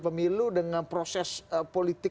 pemilu dengan proses politik